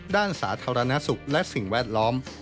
สาธารณสุขและสิ่งแวดล้อม